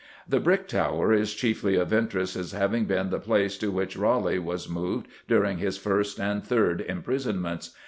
The Brick Tower is chiefly of interest as having been the place to which Raleigh was moved during his first and third imprisonments.